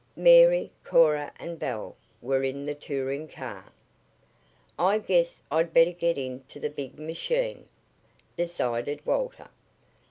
Mary, Cora and Belle were in the touring car. "I guess I'd better get into the big machine,", decided Walter.